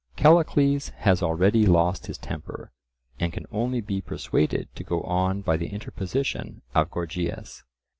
Callicles has already lost his temper, and can only be persuaded to go on by the interposition of Gorgias.